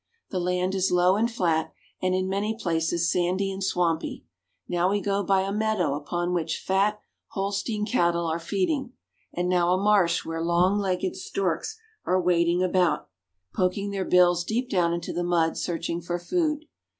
The land is low and flat, and in many places sandy and swampy. Now we go by a meadow upon which fat Holstein cattle are feeding, and now a marsh where long legged storks are wading about, poking their bills deep down into the mud, searching for food.